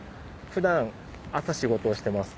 普段朝仕事をしてます。